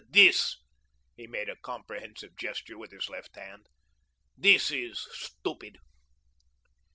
This" he made a comprehensive gesture with his left hand "this is stupid."